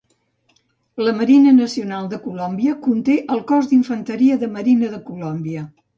La Marina Nacional de Colòmbia conté el cos d'Infanteria de Marina de Colòmbia.